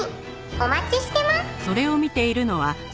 お待ちしてます」